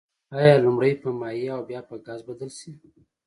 آیا لومړی په مایع او بیا به په ګاز بدل شي؟